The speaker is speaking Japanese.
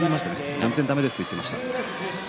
全然だめですと言っていました。